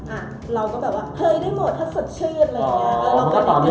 อ่ะเราก็แปลว่าเฮ้ยได้หมดถ้าสดชื่นวันนี้